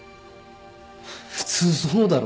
普通そうだろ？